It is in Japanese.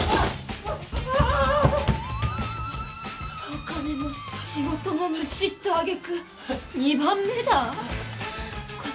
お金も仕事もむしった揚げ句二番目だあ？